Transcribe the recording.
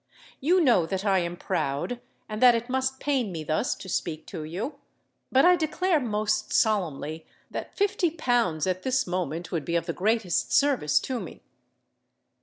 You know that I am proud, and that it must pain me thus to speak to you: but I declare most solemnly that fifty pounds at this moment would be of the greatest service to me."